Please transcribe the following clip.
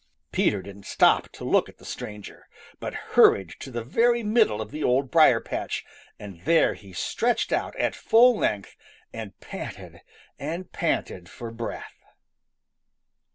Peter didn't stop to look at the stranger, but hurried to the very middle of the Old Briar patch and there he stretched out at full length and panted and panted for breath.